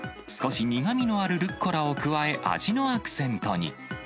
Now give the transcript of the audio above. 少し苦みのあるルッコラを加え、味のアクセントに。